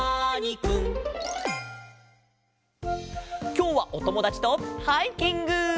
きょうはおともだちとハイキング！